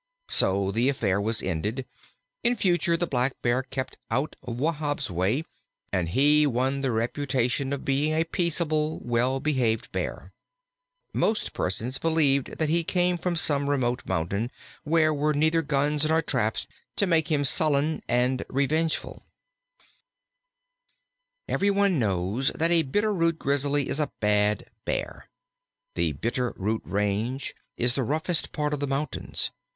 So the affair was ended; in future the Blackbear kept out of Wahb's way, and he won the reputation of being a peaceable, well behaved Bear. Most persons believed that he came from some remote mountains where were neither guns nor traps to make him sullen and revengeful. III Every one knows that a Bitter root Grizzly is a bad Bear. The Bitter root Range is the roughest part of the mountains.